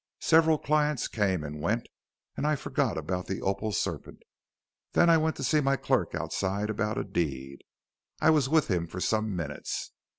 Several clients came and went, and I forgot about the opal serpent. Then I went to see my clerk outside about a deed. I was with him for some minutes.